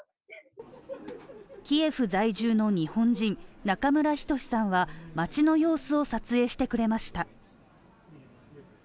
キエフ在住の日本人中村仁さんは街の様子を撮影してくれました。